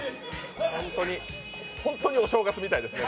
ホントにお正月みたいですね。